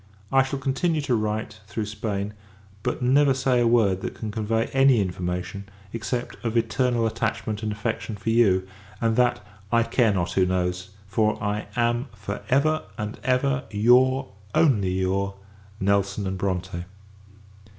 I shall continue to write, through Spain; but never say a word that can convey any information except, of eternal attachment and affection for you; and that, I care not, who knows; for I am, for ever, and ever, your, only your, NELSON & BRONTE.